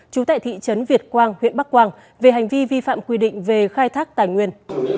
trú tại thị trấn việt quang huyện bắc quang về hành vi vi phạm quy định về khai thác tài nguyên